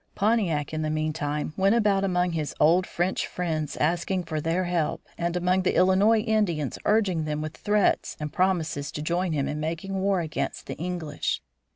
Pontiac, in the meantime, went about among his old French friends asking for their help, and among the Illinois Indians urging them with threats and promises to join him in making war against the English.